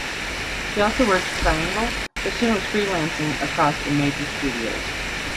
He also worked at Triangle but soon was freelancing across the major studios.